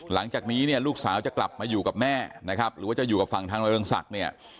หลังจากนี้เนี่ยลูกสาวจะกลับมาอยู่กับแม่นะครับหรือว่าจะอยู่กับฝั่งทางเรืองศักดิ์เนี่ย